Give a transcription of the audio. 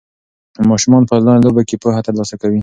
ماشومان په انلاین لوبو کې پوهه ترلاسه کوي.